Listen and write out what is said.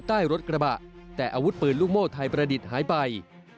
ใต้รถกระบะแต่อาวุธปืนลูกโม่ไทยประดิษฐ์หายไป